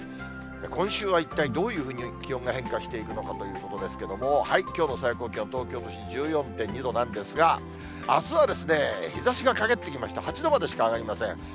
今週は一体どういうふうに気温が変化していくのかというところですけれども、きょうの最高気温、東京都心１４．２度なんですが、あすは日ざしがかげってきまして、８度までしか上がりません。